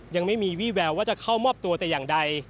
ยังไม่มีวี่แววว่าจะเข้ามอบตัวแต่อย่างใด